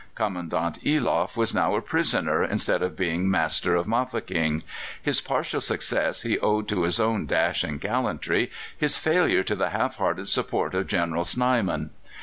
Commandant Eloff was now a prisoner instead of being master of Mafeking; his partial success he owed to his own dash and gallantry, his failure to the half hearted support of General Snyman.